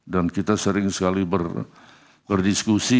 dan kita sering sekali berdiskusi